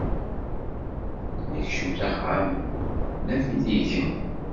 Nekcem s axxam, naf-it igen.